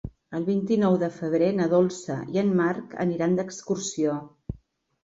El vint-i-nou de febrer na Dolça i en Marc aniran d'excursió.